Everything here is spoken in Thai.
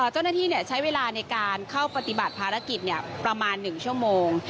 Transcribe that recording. เจ้าหน้าที่ใช้เวลาในการเข้าปฏิบัติภารกิจประมาณ๑ชั่วโมง